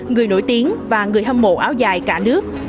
người nổi tiếng và người hâm mộ áo dài cả nước